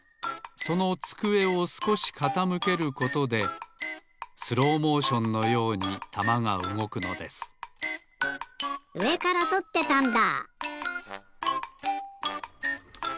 そのつくえをすこしかたむけることでスローモーションのようにたまがうごくのですうえからとってたんだ！